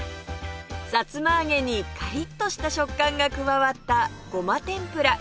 さつまあげにカリッとした食感が加わったごま天ぷら